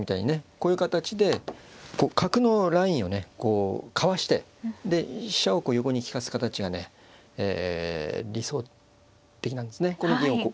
こういう形で角のラインをねかわしてで飛車を横に利かす形がね理想的なんですね。